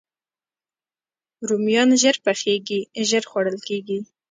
رومیان ژر پخېږي، ژر خوړل کېږي